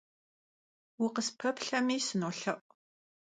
Vukhıspeplhenu sınolhe'u.